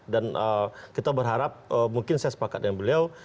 dan kita berharap mungkin saya sepakat dengan beliau